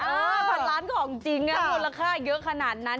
พันล้านของจริงมูลค่าเยอะขนาดนั้น